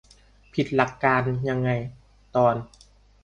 ผิดหลักการยังไง ? ตอน